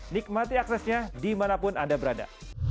nikmati aksesnya dimanapun anda berada